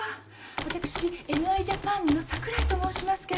私ＮＩジャパンの桜井と申しますけれども。